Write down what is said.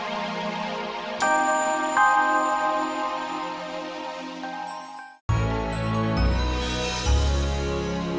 nanti setelah dari sini